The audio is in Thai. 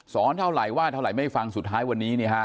เท่าไหร่ว่าเท่าไหร่ไม่ฟังสุดท้ายวันนี้เนี่ยฮะ